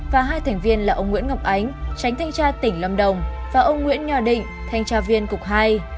và hai thành viên là ông nguyễn ngọc ánh và ông nguyễn nhò định